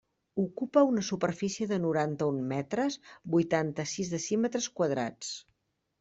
Ocupa una superfície de noranta-un metres, vuitanta-sis decímetres quadrats.